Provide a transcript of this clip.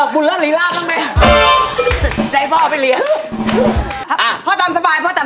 พอรู้จักอ่างเถิดเทิงะ